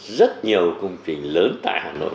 rất nhiều công trình lớn tại hà nội